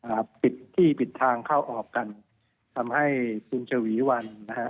อ่าปิดที่ปิดทางเข้าออกกันทำให้คุณชวีวันนะฮะ